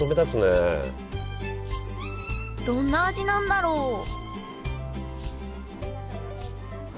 どんな味なんだろう？